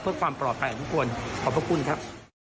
เพื่อความปลอดภัยของทุกคนขอบพระคุณครับ